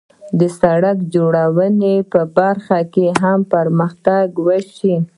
د سړک جوړونې په برخه کې هم پرمختګ وشو.